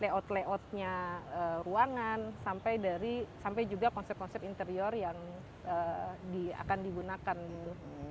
layout layoutnya ruangan sampai dari sampai juga konsep konsep interior yang akan digunakan gitu